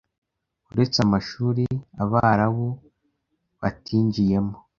uretse amashuri Abarabu batinjiyemo